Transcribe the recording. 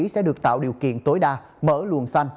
sẽ được tạo điều kiện tối đa mở luồng xanh